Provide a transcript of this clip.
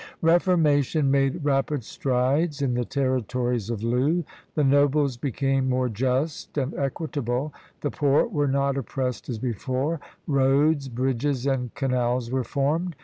Reformation made rapid strides in the territories of Loo; the nobles became more just and equitable; the poor were not oppressed as before; roads, bridges, and canals were formed.